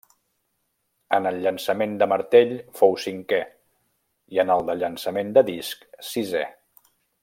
En el llançament de martell fou cinquè i en el de llançament de disc sisè.